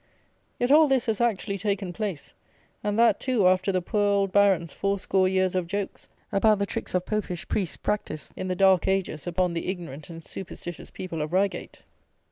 Yet, all this has actually taken place, and that, too, after the poor old Baron's four score years of jokes about the tricks of Popish priests, practised, in the dark ages, upon the ignorant and superstitious people of Reigate.